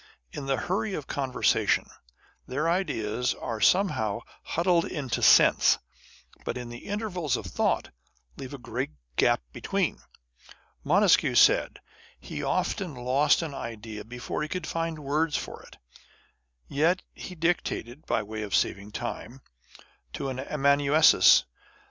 In the hurry of conversation their ideas are somehow huddled into sense ; but in the intervals of thought, leave a great gap between. Montesquieu said, he often lost an idea before he could find words for it : yet he dictated, by way of saving time, to an amanuensis.